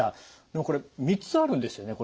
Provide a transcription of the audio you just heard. でもこれ３つあるんですよね？